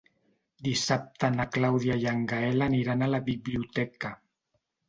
Dissabte na Clàudia i en Gaël aniran a la biblioteca.